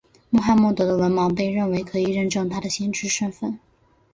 穆罕默德的文盲被认为可以认证他的先知身份。